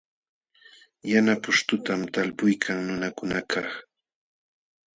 Yana pushtutam talpuykan nunakunakaq.